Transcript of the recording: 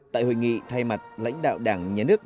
tại hội nghị thay mặt lãnh đạo đảng nhà nước